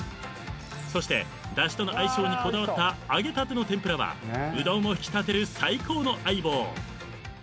［そしてだしとの相性にこだわった揚げたての天ぷらはうどんを引き立てる最高の相棒］